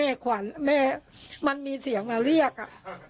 ทุกปลุนไว้อ่ะค่ะ